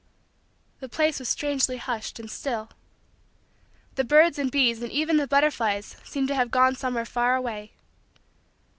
The place was strangely hushed and still. The birds and bees and even the butterflies seemed to have gone somewhere far away.